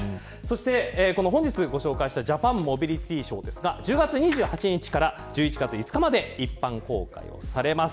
本日ご紹介したジャパンモビリティショーですが１０月２８日から１１月５日まで一般公開されます。